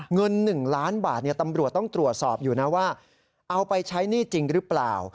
เงิน๑ล้านบาทตำรวจต้องตรวจสอบอยู่นะว่าเอาไปใช้หนี้จริงหรือเปล่า